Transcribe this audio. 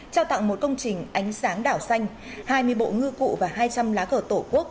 trao tặng một công trình ánh sáng đảo xanh hai mươi bộ ngư cụ và hai trăm linh lá cờ tổ quốc